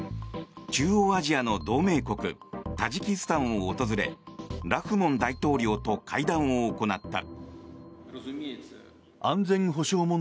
中央アジアの同盟国タジキスタンを訪れラフモン大統領と会談を行った。